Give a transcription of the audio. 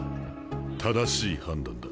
正しい判断だ。